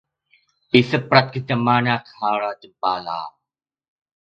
อริตวรรธน์ ครุฑานาคา - จำปาลาว